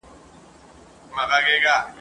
د عقل لاري تر منزله رسېدلي نه دي ..